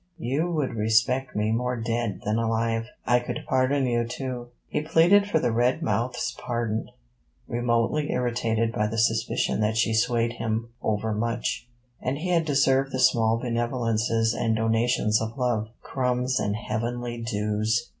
You would respect me more dead than alive. I could better pardon you too.' He pleaded for the red mouth's pardon, remotely irritated by the suspicion that she swayed him overmuch: and he had deserved the small benevolences and donations of love, crumbs and heavenly dews!